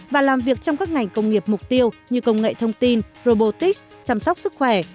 và làm việc trong các ngành công nghiệp mục tiêu như công nghệ thông tin robotics chăm sóc sức khỏe